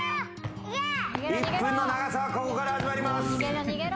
１分の長さはここから始まります。